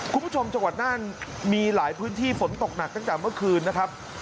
จังหวัดน่านมีหลายพื้นที่ฝนตกหนักตั้งแต่เมื่อคืนนะครับ